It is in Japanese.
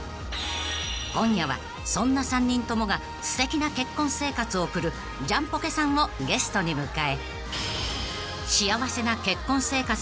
［今夜はそんな３人ともがすてきな結婚生活を送るジャンポケさんをゲストに迎え］